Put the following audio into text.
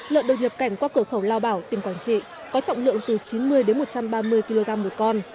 lợn được nhập cảnh qua cửa khẩu lao bảo tỉnh quảng trị có trọng lượng từ chín mươi một trăm ba mươi kg một con